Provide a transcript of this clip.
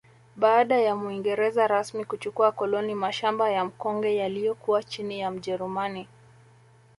Baada ya Muingereza rasmi kuchukua koloni mashamba ya Mkonge yaliyokuwa chini ya mjerumani